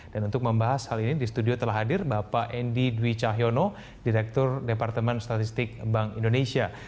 dan untuk membahas hal ini di studio telah hadir bapak endi dwi cahyono direktur departemen statistik bank indonesia